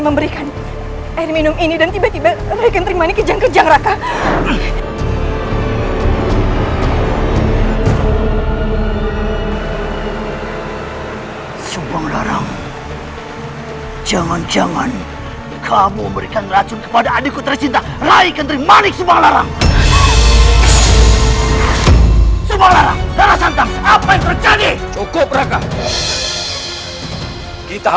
sampai jumpa di video selanjutnya